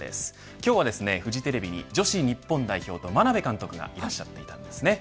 今日はフジテレビに女子日本代表の眞鍋監督がいらっしゃっていました。